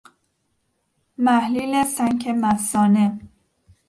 محلیل سنک مثانه